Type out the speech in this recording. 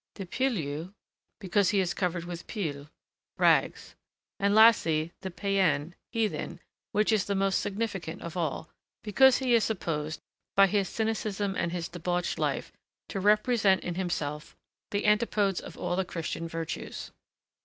The peilloux because he is covered with peille (rags). And, lastly, the païen (heathen), which is the most significant of all, because he is supposed, by his cynicism and his debauched life, to represent in himself the antipodes of all the Christian virtues.